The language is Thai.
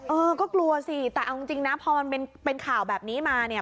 เออก็กลัวสิแต่เอาจริงนะพอมันเป็นข่าวแบบนี้มาเนี่ย